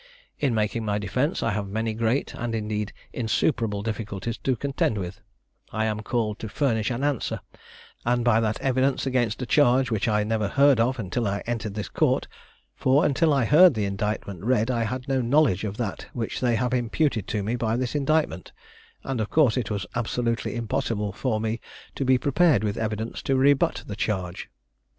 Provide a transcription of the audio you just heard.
In making my defence, I have many great and, indeed, insuperable difficulties to contend with: I am called to furnish an answer, and that by evidence, against a charge which I never heard of until I entered this court, for until I heard the indictment read I had no knowledge of that which they have imputed to me by this indictment, and of course it was absolutely impossible for me to be prepared with evidence to rebut the charge.